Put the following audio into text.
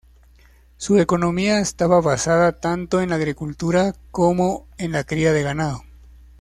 Su economía estaba basada tanto en la agricultura como en la cría de ganado.